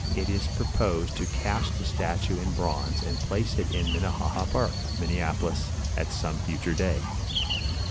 It is proposed to cast the statue in bronze and place it in Minnehaha park, Minneapolis, at some future day.